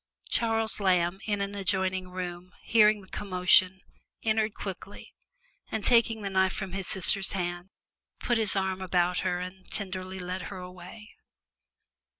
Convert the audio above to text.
Charles Lamb, in an adjoining room, hearing the commotion, entered quickly and taking the knife from his sister's hand, put his arm about her and tenderly led her away.